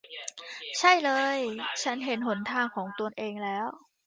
ใช่เลย ฉันเห็นหนทางของตนเองแล้ว